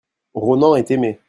Ronan est aimé.